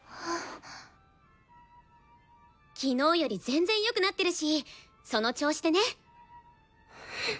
昨日より全然よくなってるしその調子でね。